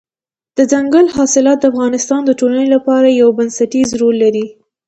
دځنګل حاصلات د افغانستان د ټولنې لپاره یو بنسټيز رول لري.